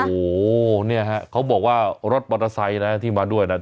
โอ้โหเนี่ยฮะเขาบอกว่ารถมอเตอร์ไซค์นะที่มาด้วยนะ